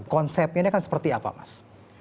konsepnya ini kan seperti apa mas